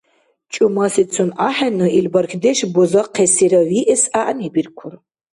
ЧӀумасицун ахӀенну, ил бархьдеш бузахъесира виэс гӀягӀнибиркур.